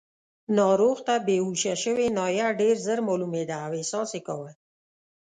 ناروغ ته بېهوښه شوې ناحیه ډېر ژر معلومېده او احساس یې کاوه.